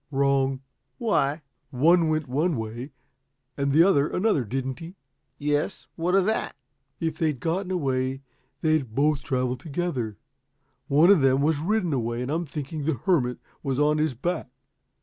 "Wrong." "Why?" "One went one way and the other another, didn't he?" "Yes. What of that?" "If they'd gotten away they'd both traveled together. One of them was ridden away and I'm thinking the hermit was on his back.